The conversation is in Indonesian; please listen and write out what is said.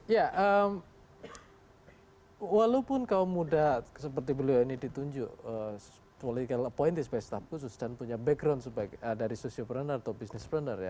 ya walaupun kalau muda seperti beliau ini ditunjuk boleh get appointed by staff khusus dan punya background dari socio preneur atau business preneur ya